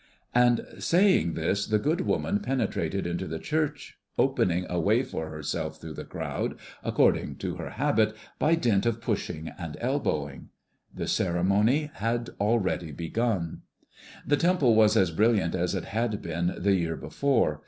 And saying this, the good woman penetrated into the church, opening a way for herself through the crowd, according to her habit, by dint of pushing and elbowing. The ceremony had already begun. The temple was as brilliant as it had been the year before.